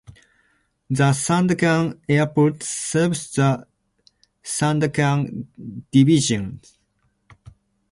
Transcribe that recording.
The Sandakan Airport serves the Sandakan division.